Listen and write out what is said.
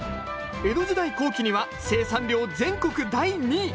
江戸時代後期には生産量全国第２位。